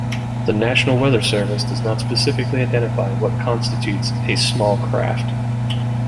The National Weather Service does not specifically identify what constitutes a "small craft".